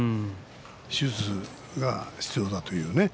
手術が必要だというね。